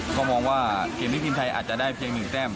ก็มองว่าเกมนี้ทีมไทยอาจจะได้เพียง๑แต้ม